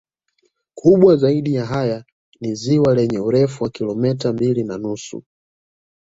Kubwa zaidi ya haya ni ziwa lenye urefu wa kilometa mbili na nusu